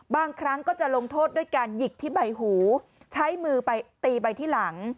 บางครั้งก็จะลงโทษด้วยการหยิกที่ใบหูใช้มือไปตีใบที่หลัง